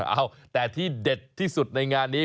เอาแต่ที่เด็ดที่สุดในงานนี้